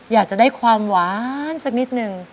อยากจะได้ความหวานสักนิดนึง